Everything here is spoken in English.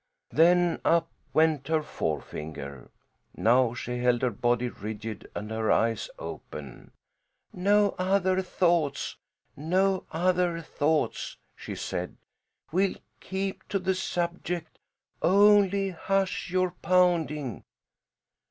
Then up went her forefinger. Now she held her body rigid and her eyes open. "No other thoughts, no other thoughts!" she said. "We'll keep to the subject. Only hush your pounding!"